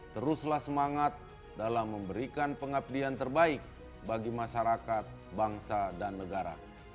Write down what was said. teruslah semangat dalam memberikan pengabdian terbaik bagi masyarakat bangsa dan negara